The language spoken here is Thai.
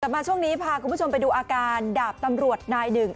มาช่วงนี้พาคุณผู้ชมไปดูอาการดาบตำรวจนายหนึ่ง